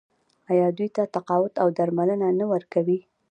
آیا دوی ته تقاعد او درملنه نه ورکوي؟